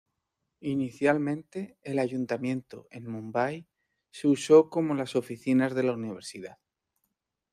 Inicialmente, el ayuntamiento en Mumbai se usó como las oficinas de la universidad.